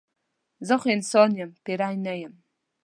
زه خو انسان یم پیری نه یم.